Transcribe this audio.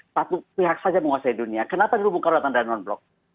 satu pihak saja menguasai dunia kenapa dihubungkan datang dari non blok